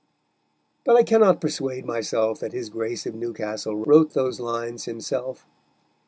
But I cannot persuade myself that his Grace of Newcastle wrote those lines himself.